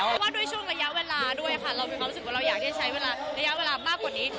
เพราะว่าด้วยช่วงระยะเวลาด้วยค่ะเรามีความรู้สึกว่าเราอยากได้ใช้ระยะเวลามากกว่านี้